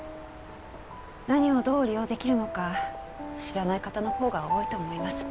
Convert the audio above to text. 何をどう利用できるのか知らない方のほうが多いと思います。